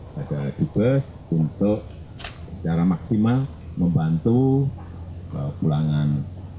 pada ibex untuk secara maksimal membantu pulangan jenazah dari